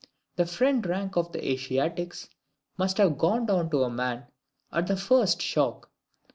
The front rank of the Asiatics must have gone down to a man at the first shock.